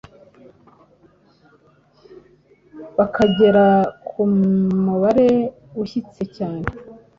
bakagera ku mubare ushyitse cyane.”